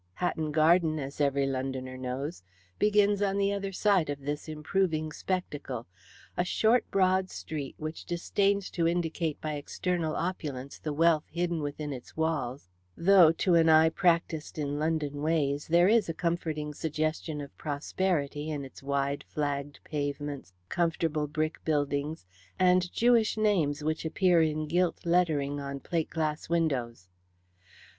Hatton Garden, as every Londoner knows, begins on the other side of this improving spectacle a short broad street which disdains to indicate by external opulence the wealth hidden within its walls, though, to an eye practised in London ways, there is a comforting suggestion of prosperity in its wide flagged pavements, comfortable brick buildings, and Jewish names which appear in gilt lettering on plate glass windows.